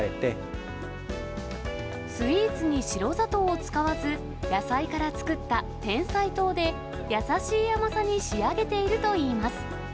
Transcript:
スイーツに白砂糖を使わず、野菜から作ったてんさい糖で、優しい甘さに仕上げているといいます。